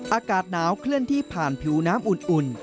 อากาศหนาวเคลื่อนที่ผ่านผิวน้ำอุ่น